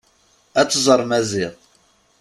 Ad tẓer Maziɣ.